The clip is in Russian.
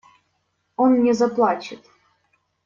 Он не заплачет.